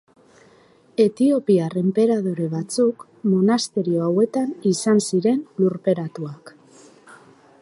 Etiopiar enperadore batzuk monasterio hauetan izan ziren lurperatuak.